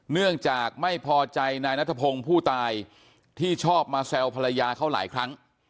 เนื่องจากไม่พอใจนายนัทพงศ์ผู้ตายที่ชอบมาแซวภรรยาเขาหลายครั้ง